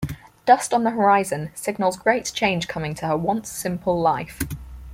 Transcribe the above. Dust on the horizon signals great change coming to her once-simple life.